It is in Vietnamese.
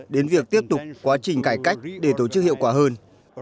đến việc tiếp tục quá trình cải cách để tổ chức hiệu quả hơn